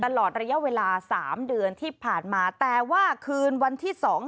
ตลอดระยะเวลาสามเดือนที่ผ่านมาแต่ว่าคืนวันที่สอง